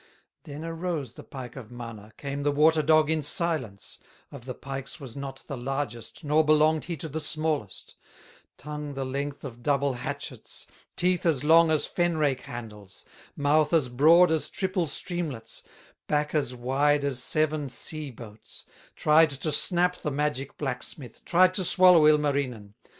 Then arose the pike of Mana, Came the water dog in silence, Of the pikes was not the largest, Nor belonged he to the smallest; Tongue the length of double hatchets, Teeth as long as fen rake handles, Mouth as broad as triple streamlets, Back as wide as seven sea boats, Tried to snap the magic blacksmith, Tried to swallow Ilmarinen.